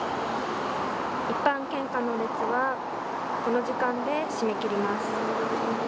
一般献花の列はこの時間で締め切ります。